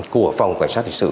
của phòng cảnh sát thị sự